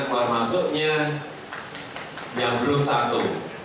keluar masuknya yang belum satu